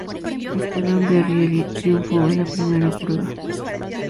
Esteban Guerrieri triunfó en la primera prueba.